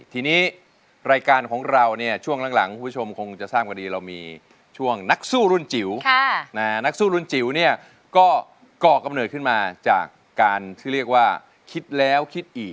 ทีนี้รายการของเราเนี่ยช่วงหลังคุณผู้ชมคงจะทราบกันดี